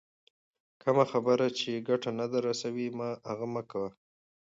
کمه خبر چي ګټه نه در رسوي، هغه مه کوئ!